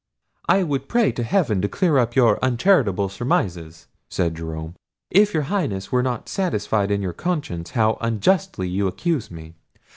"I would pray to heaven to clear up your uncharitable surmises," said Jerome, "if your Highness were not satisfied in your conscience how unjustly you accuse me.